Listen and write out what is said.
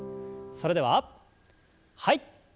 それでははい。